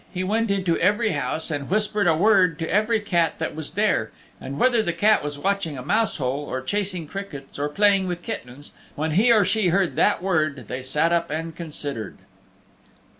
He went into every house and whispered a word to every cat that was there, and whether the cat was watching a mouse hole, or chasing crickets, or playing with kittens, when he or she heard that word they sat up and considered.